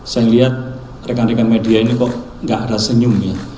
saya lihat rekan rekan media ini kok nggak ada senyum ya